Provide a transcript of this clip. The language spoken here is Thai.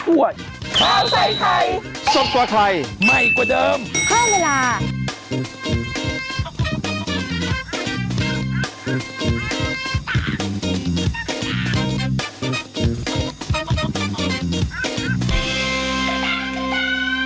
ข้าวใส่ไทยสดกว่าไทยใหม่กว่าเดิมเพิ่มเวลา